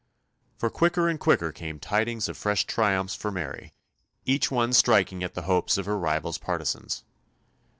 For quicker and quicker came tidings of fresh triumphs for Mary, each one striking at the hopes of her rival's partisans.